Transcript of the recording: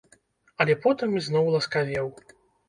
Але потым ізноў ласкавеў.